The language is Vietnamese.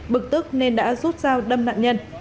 bực tức nên đã rút rao đâm nạn nhân